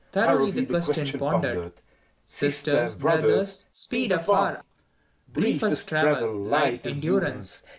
Thoroughly the question pondered: Sisters, Brothers, speed afar I Briefest travel, light endurance.